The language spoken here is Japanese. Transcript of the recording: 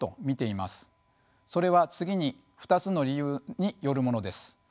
それは次に２つの理由によるものです。